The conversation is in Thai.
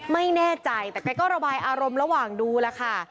ไม่แน่ใจแต่แกก็ระบายอารมณ์ระหว่างดูแล้วค่ะ